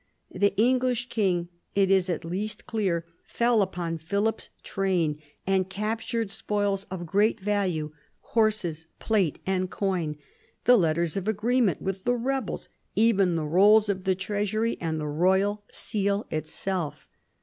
The English king, it is at least clear, fell upon Philip's train, and captured spoils of great value, horses, plate, and coin, the letters of agreement with the rebels, even the rolls of the treasury and the in THE FALL OF THE ANGEVINS 59 royal seal itself.